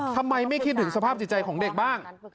ทำไมไม่คิดถึงสภาพจิตใจของเด็กบ้าง